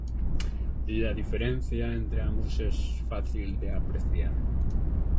La diferencia entre ambos es fácil de apreciar.